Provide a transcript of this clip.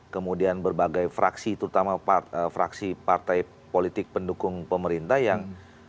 kemudian berbagai fraksi terutama fraksi partai politik pendukung pemerintah yang